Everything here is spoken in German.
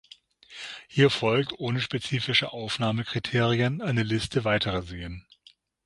Hier folgt ohne spezifische Aufnahmekriterien eine Liste weiterer Seen.